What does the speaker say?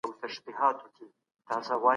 هغه د توکمونو ترمنځ د نفرت مخنیوی غوښت.